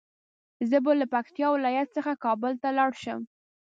زه به له پکتيا ولايت څخه کابل ته لاړ شم